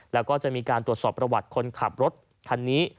แล้วก็จะมีการตรวจสอบประวัติคนขับรถคันนี้